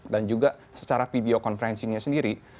dan juga secara video conferencingnya sendiri